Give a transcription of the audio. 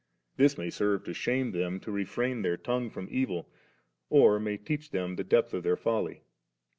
This may serve to shame them to refrain their tongue from evil, or may teach them the depth of then: folly.